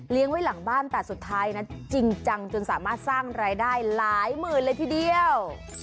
ไว้หลังบ้านแต่สุดท้ายนะจริงจังจนสามารถสร้างรายได้หลายหมื่นเลยทีเดียว